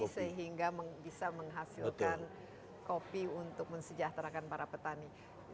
sehingga bisa menghasilkan kopi untuk mensejahterakan para petani